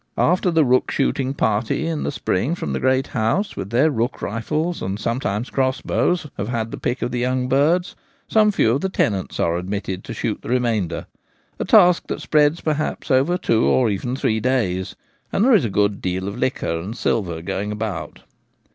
After the rook shooting party c 2 20 The Gamekeeper at Home. in the spring from the great house, with their rook rifles and sometimes crossbows, have had the pick of the young birds, some few of the tenants are admitted to shoot the remainder — a task that spreads perhaps over two or even three days, and there is a good deal of liquor and silver going about.